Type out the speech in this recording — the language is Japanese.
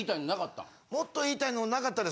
もっと言いたいの無かったん？